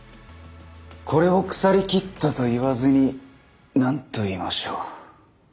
これを腐りきったと言わずに何と言いましょう。